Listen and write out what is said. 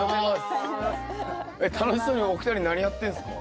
えっ楽しそうにお二人何やってんすか？